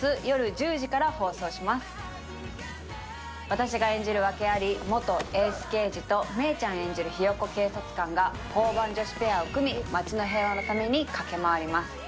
私が演じる訳あり元エース刑事と芽郁ちゃん演じるひよっこ警察官が交番女子ペアを組み町の平和のために駆け回ります。